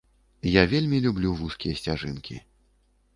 Я вельмі люблю вузкія сцяжынкі.